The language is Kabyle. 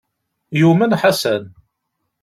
Yumen Ḥasan.